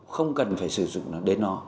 không cần phải sử dụng nó đến nó